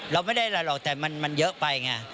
เราไม่ได้อะไรหรอกแต่มันเยอะไปไง